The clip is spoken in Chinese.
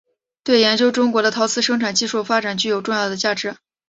对研究中国的陶瓷生产技术的发展具有重要的价值。